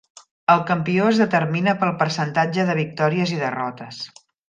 El campió es determina pel percentatge de victòries i derrotes.